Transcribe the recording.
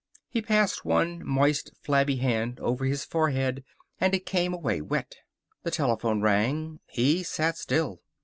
He passed one moist, flabby hand over his forehead and it came away wet. The telephone rang. He sat still.